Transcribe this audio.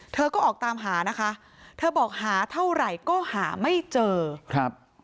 เธอก็ออกตามหานะคะเธอบอกหาเท่าไหร่ก็หาไม่เจอครับ